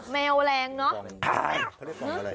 แมวแรงเนอะ